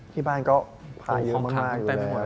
ที่บ้านก็พาเยอะมากอยู่แล้ว